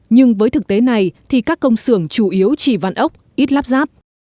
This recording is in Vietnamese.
nhưng với thực tế này thì các công sưởng chủ yếu chỉ văn ốc ít lắp ráp